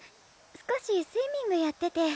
少しスイミングやってて。